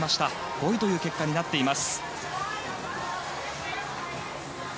５位という結果になっています。